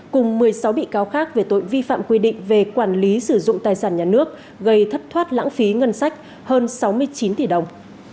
cùng một mươi sáu bị cáo khác về tội vi phạm quy định về quản lý sử dụng tài sản nhà nước gây thất thoát lãng phí ngân sách hơn sáu mươi chín tỷ đồng